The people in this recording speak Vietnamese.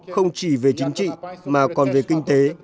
không chỉ về chính trị mà còn về kinh tế